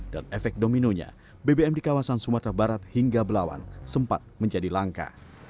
dan efek dominonya bbm di kawasan sumatera barat hingga belawan sempat menjadi langka